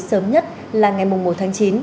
sớm nhất là ngày mùng một tháng chín